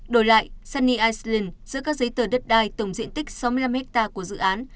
đổi lại sunny iceland giữa các giấy tờ đất đai tổng diện tích sáu mươi năm hectare của dự án